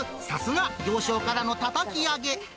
さすが行商からのたたき上げ。